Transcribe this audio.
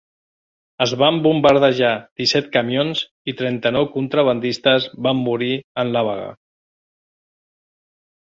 Es van bombardejar disset camions i trenta-nou contrabandistes van morir en la vaga.